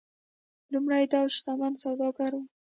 لومړنی دوج شتمن سوداګر و.